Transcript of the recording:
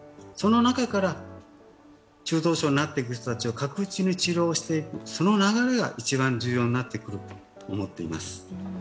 その中から中等症になっていく人たちを確実に治療していく、その流れが一番重要になってくると思っています。